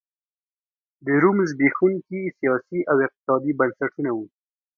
د روم زبېښونکي سیاسي او اقتصادي بنسټونه وو